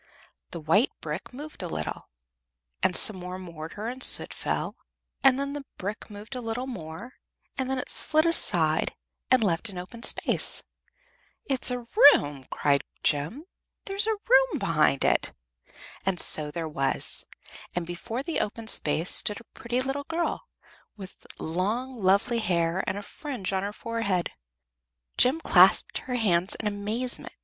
The white brick moved a little, and some more mortar and soot fell; then the brick moved a little more, and then it slid aside and left an open space. "It's a room!" cried Jem, "There's a room behind it!" And so there was, and before the open space stood a pretty little girl, with long lovely hair and a fringe on her forehead. Jem clasped her hands in amazement.